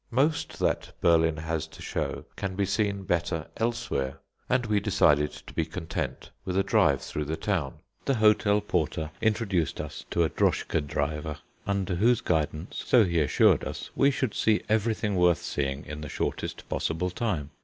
Most that Berlin has to show can be seen better elsewhere, and we decided to be content with a drive through the town. The hotel porter introduced us to a droschke driver, under whose guidance, so he assured us, we should see everything worth seeing in the shortest possible time.